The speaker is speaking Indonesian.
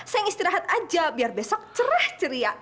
sayang istirahat aja biar besok cerah ceria